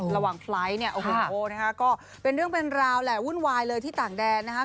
ไลท์เนี่ยโอ้โหนะคะก็เป็นเรื่องเป็นราวแหละวุ่นวายเลยที่ต่างแดนนะคะ